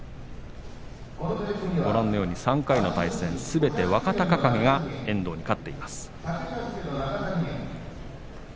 ご覧のように３回の対戦すべて若隆景が遠藤に勝っています。